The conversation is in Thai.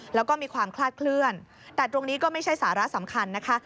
แล้วก็มีความคลาดเคลื่อนแต่ตรงนี้ก็ไม่ใช่สาระสำคัญนะคะ